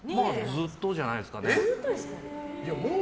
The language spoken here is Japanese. ずっとじゃないですかね。